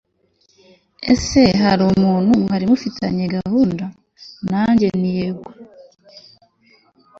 ese hari umuntu mwari mufitanye gahunda!? nanjye nti yego